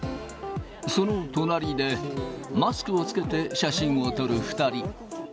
その隣でマスクを着けて写真を撮る２人。